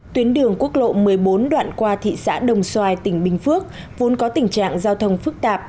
tuyến đường quốc lộ một mươi bốn đoạn qua thị xã đồng xoài tỉnh bình phước vốn có tình trạng giao thông phức tạp